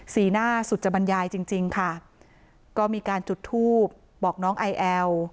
สีหน้าสุจบรรยายจริงจริงค่ะก็มีการจุดทูบบอกน้องไอแอล